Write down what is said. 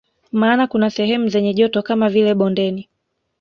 Maana kuna sehemu zenye joto kama vile bondeni